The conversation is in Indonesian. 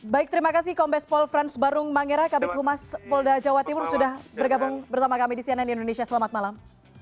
baik terima kasih kombes pol frans barung mangera kabit humas polda jawa timur sudah bergabung bersama kami di cnn indonesia selamat malam